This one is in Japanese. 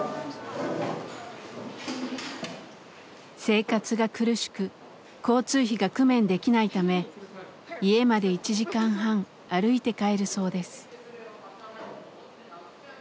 生活が苦しく交通費が工面できないため家まで１時間半歩いて帰るそうです。